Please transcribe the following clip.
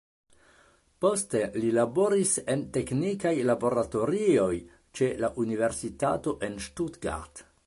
Poste li laboris en teknikaj laboratorioj ĉe la universitato en Stuttgart.